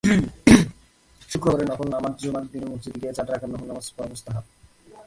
শুক্রবারের নফল নামাজজুমার দিনে মসজিদে গিয়ে চার রাকাত নফল নামাজ পড়া মুস্তাহাব।